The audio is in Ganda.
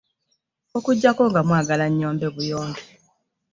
Okuggyako nga mwagala nnyombe buyombi.